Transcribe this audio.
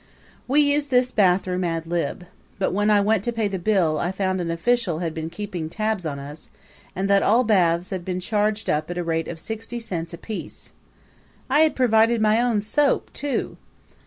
We used this bathroom ad lib.: but when I went to pay the bill I found an official had been keeping tabs on us, and that all baths taken had been charged up at the rate of sixty cents apiece. I had provided my own soap too!